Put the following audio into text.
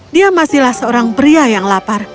dia masihlah seorang pria yang lapar